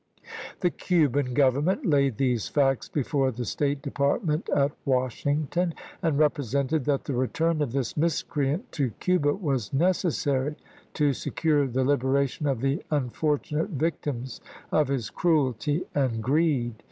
46 ABRAHAM LINCOLN chap. ii. The Cuban Government laid these facts before the State Department at Washington, and repre sented that the return of this miscreant to Cuba was necessary to secure the liberation of the un fortunate victims of his cruelty and greed.